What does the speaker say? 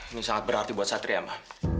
ini sangat berarti buat satria mah